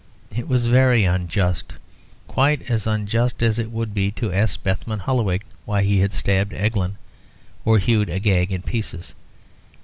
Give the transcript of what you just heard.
It was very unjust; quite as unjust as it would be to ask Bethmann Hollweg why he had stabbed Eglon or hewn Agag in pieces.